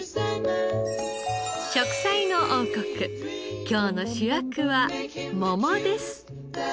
『食彩の王国』今日の主役は桃です。